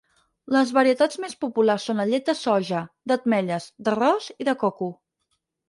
Les varietats més populars són la llet de soja, d'ametlles, d'arròs i de coco.